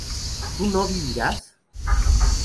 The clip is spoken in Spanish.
¿tú no vivirás?